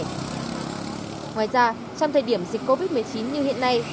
ngoài ra trong thời điểm dịch covid một mươi chín như hiện nay